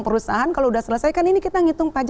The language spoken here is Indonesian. perusahaan kalau udah selesai kan ini kita ngitung pajaknya